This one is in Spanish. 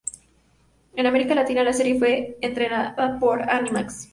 En America Latina la serie fue estrenada por Animax.